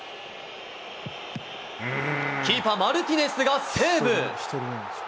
キーパー、マルティネスがセーブ。